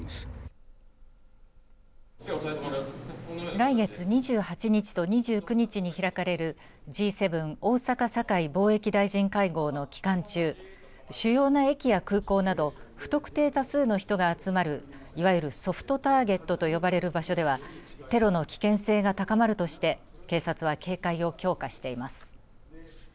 来月２８日と２９日に開かれるＧ７大坂・堺貿易大臣会合の期間中主要な駅や空港など不特定多数の人が集まるいわゆるソフトターゲットと呼ばれる場所ではテロの危険性が高まるとして警察は警戒を強化しています。